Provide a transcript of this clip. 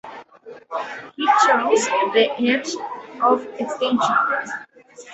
He chose the Edge of Extinction.